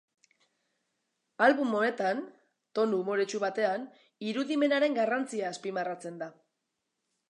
Album honetan, tonu umoretsu batean, irudimenaren garrantzia azpimarratzen da.